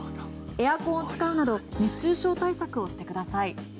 エアコンを使うなど熱中症対策をしてください。